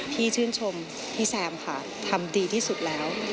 ชื่นชมพี่แซมค่ะทำดีที่สุดแล้ว